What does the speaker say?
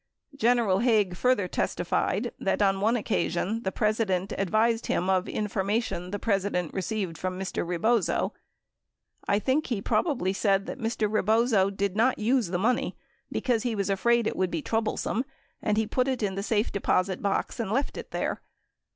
7 General Haig further testified that on one occasion the President advised him of information the President received from Mr. Rebozo : "I think he probably said that Mr. Rebozo did not use the money because he was afraid it would be troublesome and he put it in the safe deposit box and left it there.